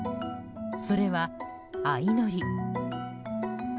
それは相乗り。